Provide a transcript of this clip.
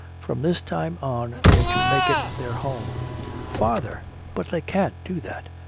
From this time on they're to make it their home." "Father! But they can't do that!